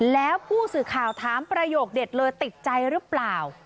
แล้วผู้สื่อข่าวถามประโยคเด็ดเลยติดใจหรือเปล่า